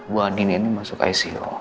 bu andin ini masuk ico